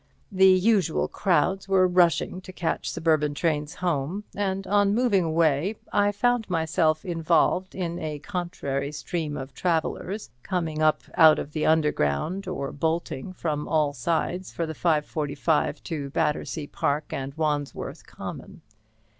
The usual crowds were rushing to catch suburban trains home, and on moving away I found myself involved in a contrary stream of travellers coming up out of the Underground, or bolting from all sides for the 5:45 to Battersea Park and Wandsworth Common.